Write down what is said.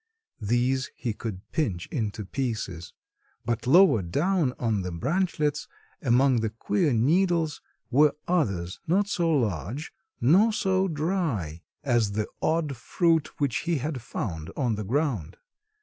These he could pinch into pieces. But lower down on the branchlets, among the queer needles, were others not so large nor so dry as the odd fruit which he had found on the ground.